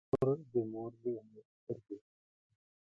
• لور د مور د امید سترګې وي.